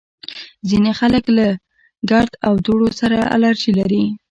ځینې خلک له ګرد او دوړو سره الرژي لري